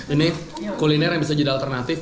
ini kuliner yang bisa jadi alternatif